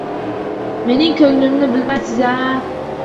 Mening ko`nglimni bilmaysiz-u